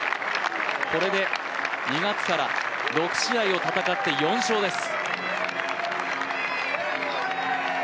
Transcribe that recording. これで２月から６試合を戦って４勝です。